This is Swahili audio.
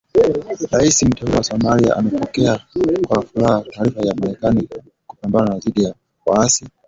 Rais Mteule wa Somalia amepokea kwa furaha taarifa ya Marekani kupambana dhidi ya waasi